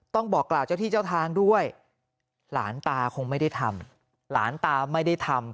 บอกกล่าวเจ้าที่เจ้าทางด้วยหลานตาคงไม่ได้ทำหลานตาไม่ได้ทำ